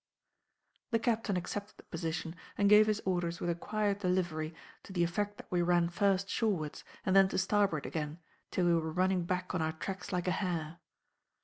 The captain accepted the position and gave his orders with a quiet delivery, to the effect that we ran first shorewards and then to starboard again till we were running back on our tracks like a hare.